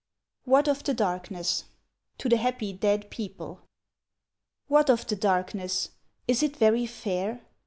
WHAT OF THE DARKNESS? TO THE HAPPY DEAD PEOPLE. What of the darkness? Is it very fair?